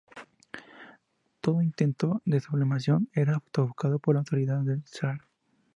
Todo intento de sublevación era sofocado por la autoridad del Sha.